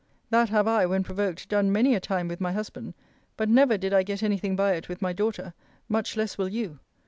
That have I, when provoked, done many a time with my husband, but never did I get any thing by it with my daughter: much less will you.